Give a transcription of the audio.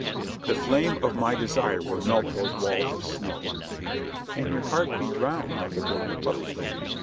"The flame of my desire will melt those walls of snow." "And your heart be drowned, like a blind puppy."